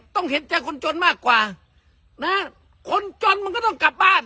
เห็นใจคนจนมากกว่านะคนจนมันก็ต้องกลับบ้าน